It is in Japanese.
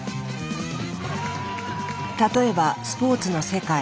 例えばスポーツの世界。